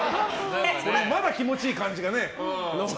まだ気持ちいい感じがね。